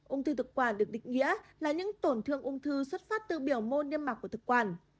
ông thư thực quản được định nghĩa là những tổn thương ông thư xuất phát từ biểu mô niêm mạc của thức quản